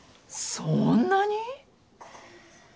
そんなに？